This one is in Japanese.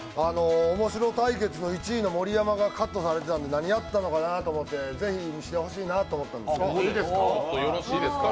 おもしろ対決の１位の盛山がカットされてたんで何やったのかなと思って、ぜひ見せてほしいなと思ったんですけど。